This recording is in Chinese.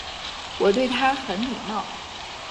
我对他很礼貌